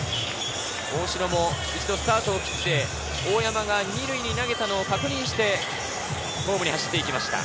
大城も一度スタートを切って大山が２塁に投げたのを確認してホームに走っていきました。